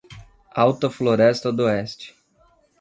Alta Floresta d'Oeste